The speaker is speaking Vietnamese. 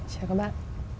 chào các bạn